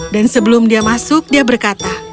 dan sebelum dia masuk dia berkata